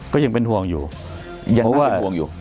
ก็ยังเป็นรู้ห่วงอยู่